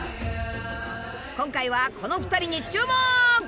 今回はこの２人に注目！